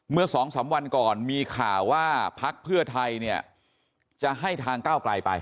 เมื่อสองสามวันก่อนมีข่าวว่าภักดิ์เพื่อไทยเนี่ยจะให้ทางก้าวกลายไป